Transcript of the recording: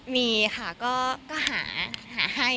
มีค่ะก็หาให้